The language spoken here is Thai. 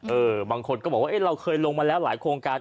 บางคนก็บอกว่าเราเคยลงมาแล้วหลายโครงการ